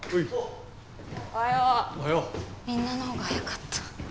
みんなのほうが早かった。